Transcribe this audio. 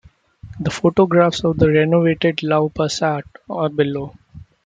The photographs of the renovated Lau pa sat are below.